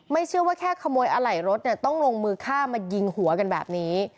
เชื่อว่าแค่ขโมยอะไหล่รถเนี่ยต้องลงมือฆ่ามายิงหัวกันแบบนี้